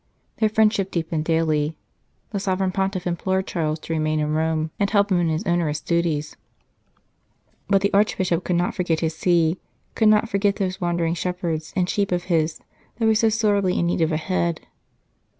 Their friendship deepened daily. The Sovereign Pontiff implored Charles to remain in Rome and help him in his onerous duties, but the Archbishop could not forget his See, could not forget those wandering shepherds and sheep of his that were so 47 St. Charles Borromeo sorely in need of a head.